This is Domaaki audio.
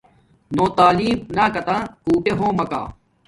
نو تعلیم ناکاتہ کُوٹے ہوم مکہ